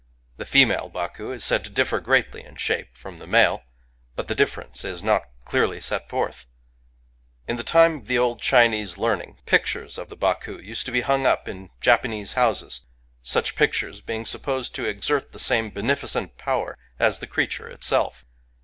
The female Baku is said to differ greatly in shape from the male ; but the difference is not clearly set forth. In the time of the old Chinese learning, pictures of the Baku used to be hung up in Japanese houses, 245 Digitized by Googk 246 THE EATER OF DREAMS such pictures being supposed to exert the same beneficent power as the creature itself.